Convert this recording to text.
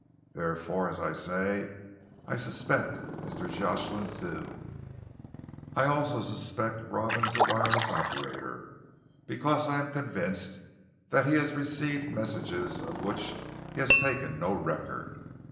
Therefore, as I say, I suspect Mr. Jocelyn Thew. I also suspect Robins, the wireless operator, because I am convinced that he has received messages of which he has taken no record.